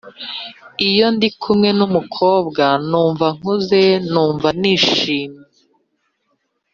Iyo ndi kumwe n’umukobwa numva nkunze numva nishimye